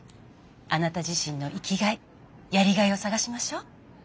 あなた自身の生きがいやりがいを探しましょう。